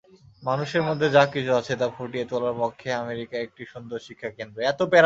মানুষের মধ্যে যা কিছু আছে, তা ফুটিয়ে তোলার পক্ষে আমেরিকা একটি সুন্দর শিক্ষাকেন্দ্র।